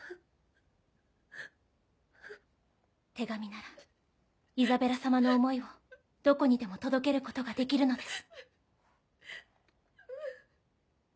手紙ならイザベラ様の思いをどこにでも届けることができるのです。